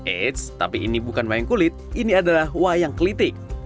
eits tapi ini bukan wayang kulit ini adalah wayang klitik